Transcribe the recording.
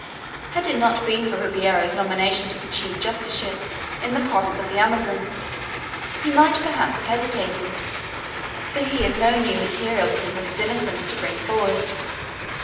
Had it not been for Ribeiro's nomination to the chief justiceship in the province of Amazones, he might perhaps have hesitated, for he had no new material proof of his innocence to bring forward.